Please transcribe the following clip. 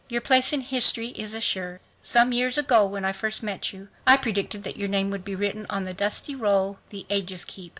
Your place in history is assured. Some years ago when I first met you I predicted that your name would be written 'on the dusty roll the ages keep.